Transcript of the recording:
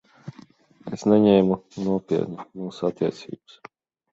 Es neņēmu nopietni mūsu attiecības.